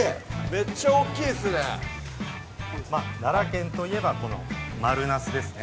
めっちゃ大っきいっすね奈良県といえばこの丸なすですね